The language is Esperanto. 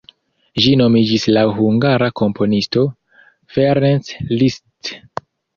Ĝi nomiĝis laŭ Hungara komponisto, Ferenc Liszt.